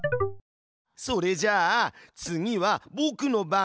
それじゃあ次はぼくの番。